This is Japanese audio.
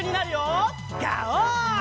ガオー！